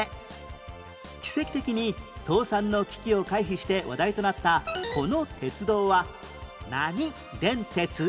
奇跡的に倒産の危機を回避して話題となったこの鉄道は何電鉄？